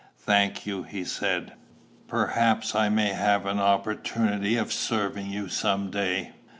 "Thank you," he said. "Perhaps I may have an opportunity of serving you some day."